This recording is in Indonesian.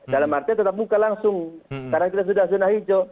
dalam artian tetap muka langsung karena kita sudah zona hijau